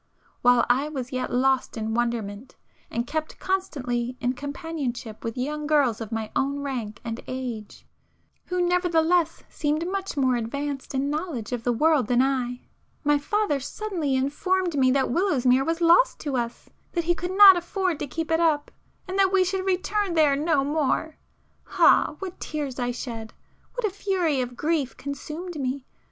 While I was yet lost in wonderment, and kept constantly in companionship with young girls of my own rank and age, who nevertheless seemed much more advanced in knowledge of the world than I, my father suddenly informed me that Willowsmere was lost to us,—that he could not afford to keep it up,—and that we should return there no more. Ah, what tears I shed!—what a fury of grief consumed me!